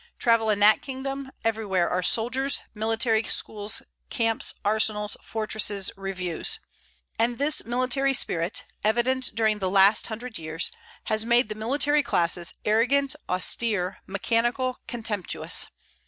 Travel in that kingdom, everywhere are soldiers, military schools, camps, arsenals, fortresses, reviews. And this military spirit, evident during the last hundred years, has made the military classes arrogant, austere, mechanical, contemptuous.